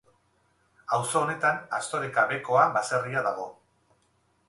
Auzo honetan Astoreka-Bekoa baserria dago.